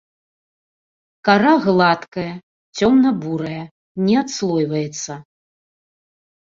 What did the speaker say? Кара гладкая, цёмна-бурая, не адслойваецца.